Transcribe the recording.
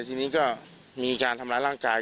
ทีนี้ก็มีการทำร้ายร่างกาย